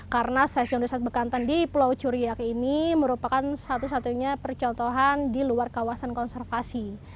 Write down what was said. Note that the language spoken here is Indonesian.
karena stasiun riset bekantan di pulau curiak ini merupakan satu satunya percontohan di luar kawasan konservasi